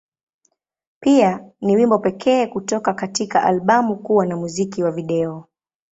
Pia, ni wimbo pekee kutoka katika albamu kuwa na muziki wa video.